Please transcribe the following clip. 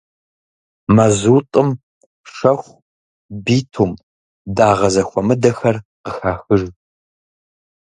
Мазутӏым шэху, битум, дагъэ зэхуэмыдэхэр къыхахыж.